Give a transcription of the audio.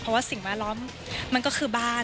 เพราะว่าสิ่งแวดล้อมมันก็คือบ้าน